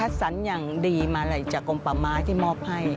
ที่คัดสรรย์อย่างดีมาเลยจากกลมปะไม้ที่มอบให้